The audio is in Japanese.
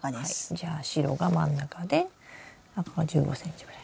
じゃあ白が真ん中であとは１５ｃｍぐらい。